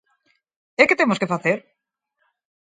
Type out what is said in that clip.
¿E que temos que facer?